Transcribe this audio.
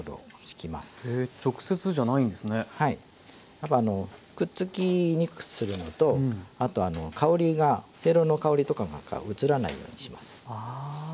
やっぱあのくっつきにくくするのとあと香りがせいろの香りとかなんか移らないようにします。